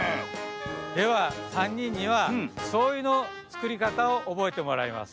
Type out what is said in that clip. ではさんにんにはしょうゆのつくりかたをおぼえてもらいます。